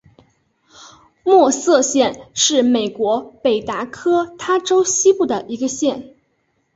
默瑟县是美国北达科他州西部的一个县。